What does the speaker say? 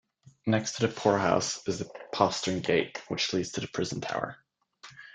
Next to the poorhouse is the Postern Gate, which leads to the Prison Tower.